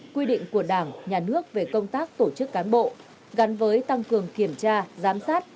quy định của đảng nhà nước về công tác tổ chức cán bộ gắn với tăng cường kiểm tra giám sát